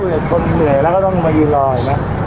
คนเหนื่อยแล้วก็ต้องมายีลอยมั้ย